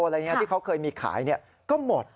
อะไรอย่างนี้ที่เขาเคยมีขายก็หมด